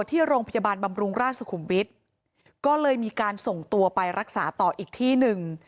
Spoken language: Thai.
ที่โรงพยาบาลบำรุงราชสุขุมวิทย์ก็เลยมีการส่งตัวไปรักษาต่ออีกที่หนึ่ง